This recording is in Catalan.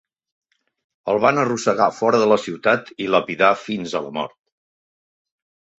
El van arrossegar fora de la ciutat i lapidar fins a la mort.